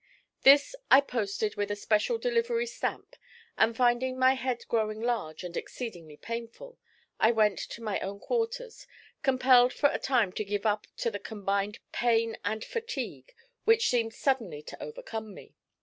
This I posted with a special delivery stamp, and finding my head growing large and exceedingly painful, I went to my own quarters, compelled for a time to give up to the combined pain and fatigue which seemed suddenly to overcome me.